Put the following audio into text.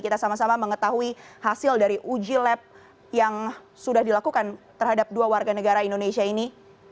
kita sama sama mengetahui hasil dari uji lab yang sudah dilakukan terhadap dua warga negara indonesia ini